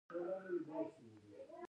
ایا وریجې مو کمې کړي دي؟